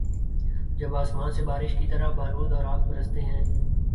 جب آسمان سے بارش کی طرح بارود اور آگ‘ برستے ہیں۔